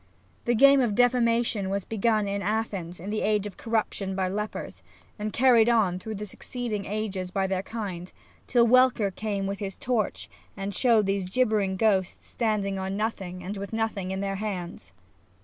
The game of defamation was begun in Athens in the age of corruption by lepers, and carried on through the succeeding ages by their kind, till Welcker came with lO SAPPHO his torch and showed these gibbering ghosts standing on nothing and with nothing in their hands.